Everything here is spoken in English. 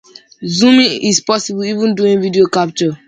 Zooming is possible even during video capture.